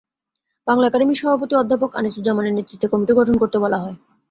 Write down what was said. বাংলা একাডেমির সভাপতি অধ্যাপক আনিসুজ্জামানের নেতৃত্বে কমিটি গঠন করতে বলা হয়।